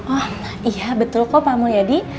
oh iya betul kok pak mulyadi